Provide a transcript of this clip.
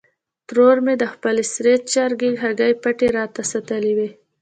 ترور مې د خپلې سرې چرګې هګۍ پټې راته ساتلې وې.